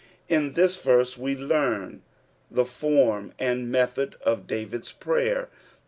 In this verse we team the form and method of David's prayer.